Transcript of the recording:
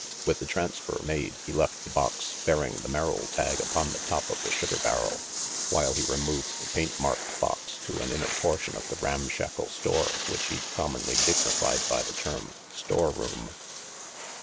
With the transfer made, he left the box bearing the Merrill tag upon the top of the sugar barrel, while he removed the paint marked box to an inner portion of the ramshackle store which he commonly dignified by the term "storeroom."